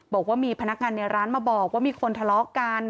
บอกว่ามีพนักงานในร้านมาบอกว่ามีคนทะเลาะกัน